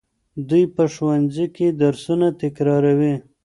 دوی په ښوونځي کې درسونه تکراروي.